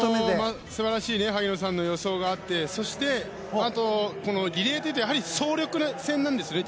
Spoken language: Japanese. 素晴らしい萩野さんの予想があってそして、あとこのリレーでいうと総力戦なんですよね。